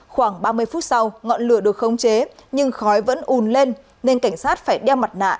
khoảng ba mươi phút sau ngọn lửa được khống chế nhưng khói vẫn ùn lên nên cảnh sát phải đeo mặt nạ